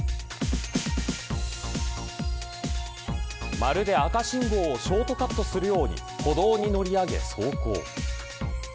まるで赤信号をショートカットするように歩道に乗り上げ走行。